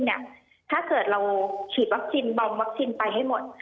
ถ้าเกิดเราฉีดวัคซีนบอมวัคซีนไปให้หมด